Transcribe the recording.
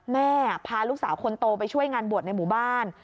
พาลูกสาวคนโตไปช่วยงานบวชในหมู่บ้าน